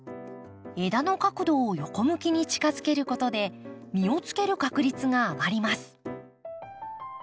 枝の角度を横向きに近づけることで実をつける確率が上がります